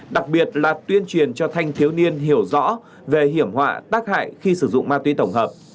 đặc biệt là tuyên truyền cho thanh thiếu niên hiểu rõ về hiểm họa tác hại khi sử dụng ma túy tổng hợp